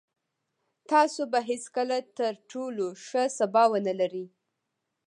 تاسو به هېڅکله تر ټولو ښه سبا ونلرئ.